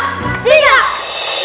jadi seperti lagi